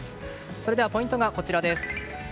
それではポイントがこちらです。